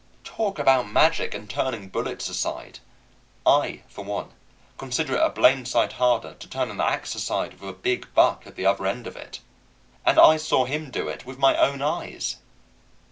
Talk about magic and turning bullets aside I, for one, consider it a blamed sight harder to turn an ax aside with a big buck at the other end of it. And I saw him do it with my own eyes.